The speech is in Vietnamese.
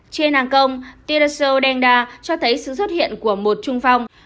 trên hàng công theraton đen đa cho thấy sự xuất hiện của một trung phong